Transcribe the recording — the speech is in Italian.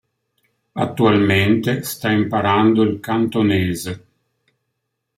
Attualmente sta imparando il cantonese.